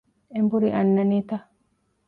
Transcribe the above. އެނބުރި އަންނަނީތަ؟